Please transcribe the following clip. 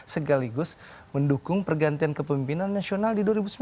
segaligus mendukung pergantian kepemimpinan nasional di dua ribu sembilan belas